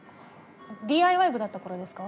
ＤＩＹ部だった頃ですか？